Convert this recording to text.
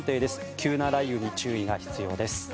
急な雷雨に注意が必要です。